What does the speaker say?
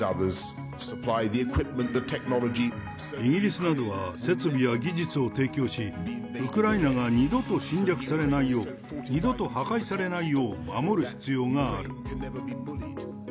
イギリスなどは、設備や技術を提供し、ウクライナが二度と侵略されないよう、二度と破壊されないよう守る必要がある。